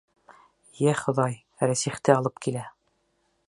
Йә, Хоҙай, Рәсихте алып килә!